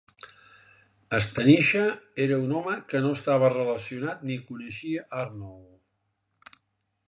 Stanisha era un home que no estava relacionat ni coneixia Arnold.